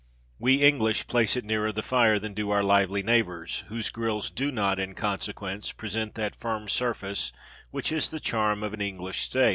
We English place it nearer the fire than do our lively neighbours, whose grills do not, in consequence, present that firm surface which is the charm of an English steak.